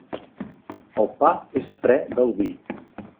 El pa és fre del vi.